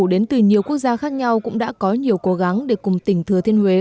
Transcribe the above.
đến từ nhiều quốc gia khác nhau cũng đã có nhiều cố gắng để cùng tỉnh thừa thiên huế